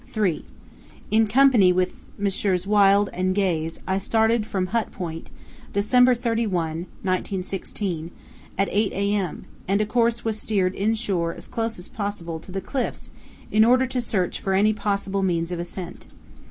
"(3) In company with Messrs. Wild and Gaze I started from Hut Point, December 31, 1916, at 8 a.m., and a course was steered inshore as close as possible to the cliffs in order to search for any possible means of ascent.